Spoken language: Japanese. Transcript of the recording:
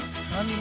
何？